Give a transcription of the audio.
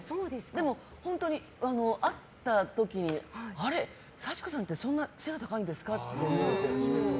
でも、本当に会った時にあれ、幸子さんってそんな背が高いんですかって。